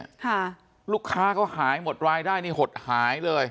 ค่ะลูกค้าเขาหายหมดรายได้นี่หดหายเลย